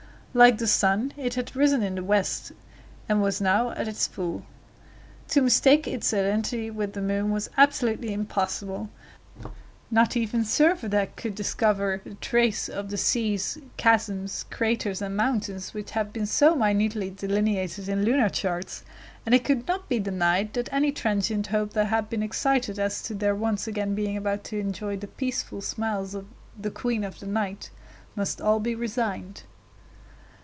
Like the sun, it had risen in the west, and was now at its full. To mistake its identity with the moon was absolutely impossible; not even Servadac could discover a trace of the seas, chasms, craters, and mountains which have been so minutely delineated in lunar charts, and it could not be denied that any transient hope that had been excited as to their once again being about to enjoy the peaceful smiles of "the queen of night" must all be resigned.